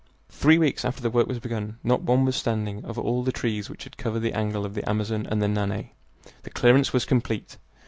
Three weeks after the work was begun not one was standing of all the trees which had covered the angle of the Amazon and the Nanay. The clearance was complete.